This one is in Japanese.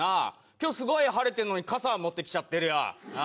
今日すごい晴れてるのに傘持ってきちゃってるよ。